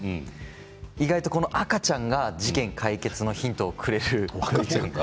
意外と赤ちゃんが事件解決のヒントをくれるんです。